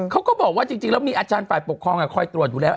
ก็บอกว่าจริงแล้วมีอาจารย์ฝ่ายปกครองคอยตรวจอยู่แล้ว